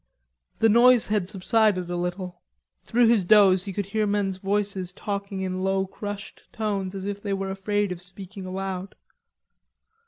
The noise had subsided a little. Through his doze he could hear men's voices talking in low crushed tones, as if they were afraid of speaking aloud.